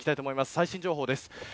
最新情報です。